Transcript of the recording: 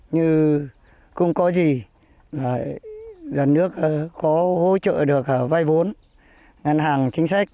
như cũng có gì dân nước có hỗ trợ được vay vốn ngân hàng chính sách